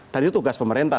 dan itu tugas pemerintah